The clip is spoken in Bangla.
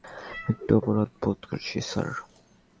রেচেলের সঙ্গে যা করেছি সেটা নিয়ে একটু অপরাধ বোধ করছি, স্যার।